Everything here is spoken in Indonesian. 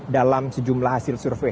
dalam sejumlah hasil survei